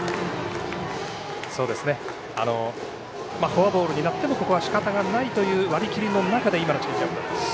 フォアボールになってもここはしかたがないという割り切りの中で今のピッチング。